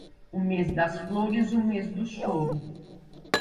O mês das flores, o mês do choro.